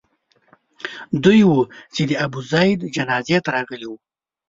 دوی وو چې د ابوزید جنازې ته راغلي وو.